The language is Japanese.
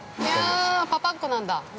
◆パパっ子なんだ。